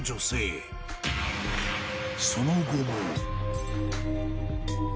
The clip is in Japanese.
［その後も］